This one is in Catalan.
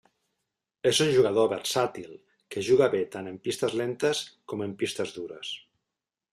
És un jugador versàtil que juga bé tant en pistes lentes com en pistes dures.